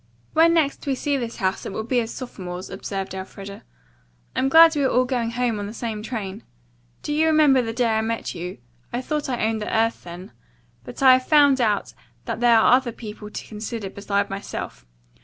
"When next we see this house it will be as sophomores," observed Elfreda. "I'm glad we are all going home on the same train. Do you remember the day I met you? I thought I owned the earth then. But I have found out that there are other people to consider besides myself.